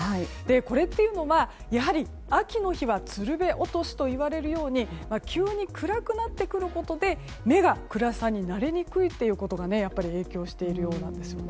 これっていうのは、秋の日は釣瓶落としといわれるように急に暗くなってくることで、目が暗さに慣れにくいということがやっぱり影響しているようなんですね。